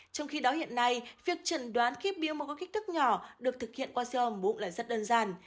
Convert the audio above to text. trong khi đó hiện nay việc chẩn đoán khi biếu một cái khích thức nhỏ được thực hiện qua siêu hồng bụng là rất đơn giản